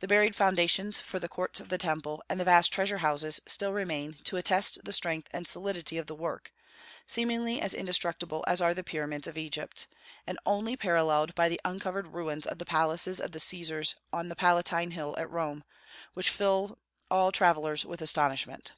The buried foundations for the courts of the Temple and the vast treasure houses still remain to attest the strength and solidity of the work, seemingly as indestructible as are the pyramids of Egypt, and only paralleled by the uncovered ruins of the palaces of the Caesars on the Palatine Hill at Rome, which fill all travellers with astonishment.